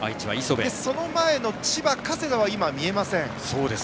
その前の千葉、加世田は見えません。